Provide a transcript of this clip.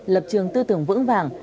lập trường tư tưởng vững vàng